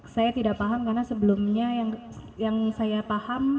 saya tidak paham karena sebelumnya yang saya paham